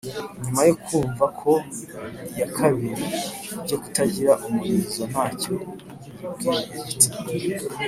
nyuma yo kumva ko iya kabiri ibyo kutagira umurizo nta cyo biyibwiye, iti